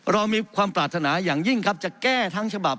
เรามีความปรารถนาอย่างยิ่งครับจะแก้ทั้งฉบับ